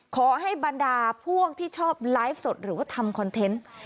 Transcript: ขอให้บรรดาพวกที่ชอบไลฟ์สดหรือว่าทำคอนเทนต์